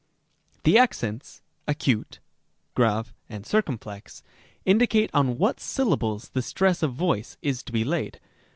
The accents [' acute, ' grave," circumflex] indicate on what syllables the stress of voice is to be laid.